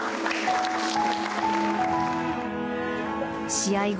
試合後